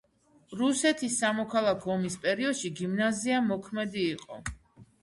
რუსეთის სამოქალაქო ომის პერიოდში გიმნაზია მოქმედი იყო.